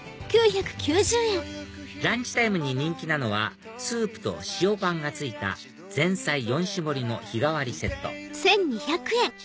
ランチタイムに人気なのはスープと塩パンが付いた前菜４種盛りの日替わりセット